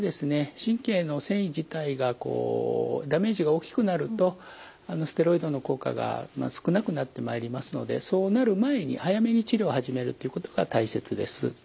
神経の線維自体がこうダメージが大きくなるとステロイドの効果が少なくなってまいりますのでそうなる前に早めに治療を始めるということが大切です。